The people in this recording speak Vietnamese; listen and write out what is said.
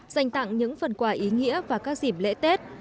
dành tặng những phần quà ý nghĩa và các dịp lễ tết